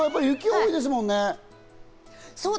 そちらは雪が多いですもんね。